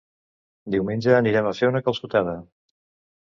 Diumenge anirem a fer una calçotada.